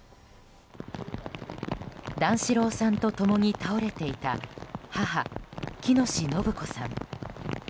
段四郎さんと共に倒れていた母・喜熨斗延子さん。